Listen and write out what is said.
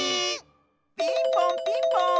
ピンポンピンポーン！